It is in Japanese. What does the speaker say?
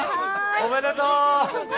おめでとう。